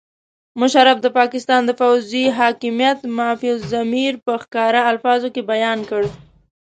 مشرف د پاکستان د پوځي حاکمیت مافي الضمیر په ښکاره الفاظو کې بیان کړ.